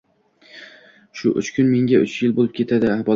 Shu uch kun menga uch yil bo‘lib ketdi, bolam